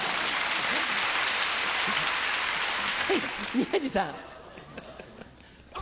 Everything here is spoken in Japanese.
宮治さん。